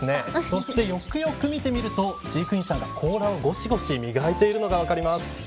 そして、よくよく見てみると飼育員さんが甲羅をごしごし磨いているのが分かります。